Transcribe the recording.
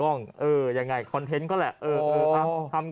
โรงพยาบาลโรงพยาบาล